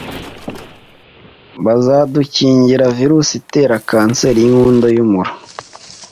bazadukingira virusi itera kanseri y’inkondo y’umura